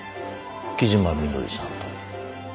木嶋みのりさんと。